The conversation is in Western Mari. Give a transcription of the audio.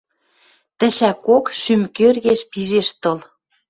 Тӹшӓкок шӱм кӧргеш пижеш тыл.